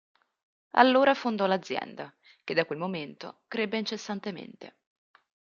Allora fondò l'azienda che da quel momento crebbe incessantemente.